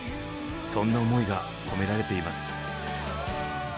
そんな思いが込められています。